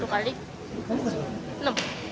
kamu kasih uang